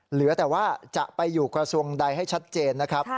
เหลือแต่ว่าจะไปอยู่กระทรวงใดให้ชัดเจนนะครับ